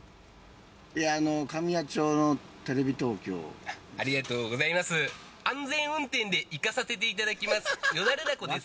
いやあの神谷町のテレビ東京ありがとうございます安全運転で行かさせていただきますヨダレダコです